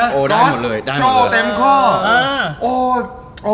คันตะงด